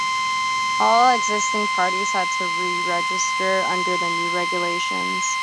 All existing parties had to re-register under the new regulations.